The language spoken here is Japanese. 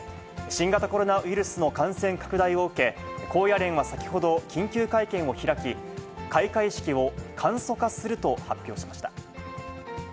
新型コロナウイルスの感染拡大を受け、高野連は先ほど、緊急会見を開き、開会式を簡素化すると発表しました。